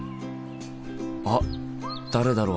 あっ誰だろう？